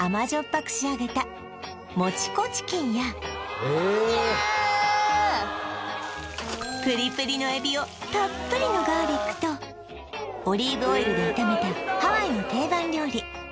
ぱく仕上げたモチコチキンやへえーいやーっプリプリのエビをたっぷりのガーリックとオリーブオイルで炒めたハワイの定番料理